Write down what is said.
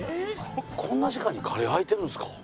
こんな時間にカレー開いてるんですか？